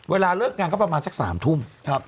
เวลาเลิกงานก็ประมาณสัก๓ทุ่ม